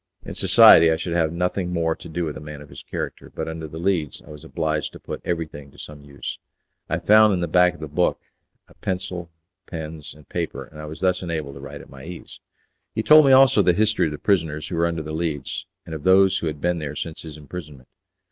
In society I should have had nothing more to do with a man of his character, but under the Leads I was obliged to put everything to some use. I found in the back of the book a pencil, pens, and paper, and I was thus enabled to write at my ease. He told me also the history of the prisoners who were under the Leads, and of those who had been there since his imprisonment.